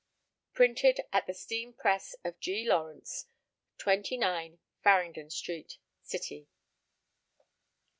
Printed at the Steam Press of G. LAWRENCE, 29 Farringdon Street, City.